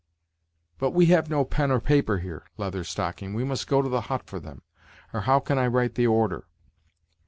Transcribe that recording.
"But we have no pen or paper here, Leather Stocking; we must go to the hut for them, or how can I write the order?"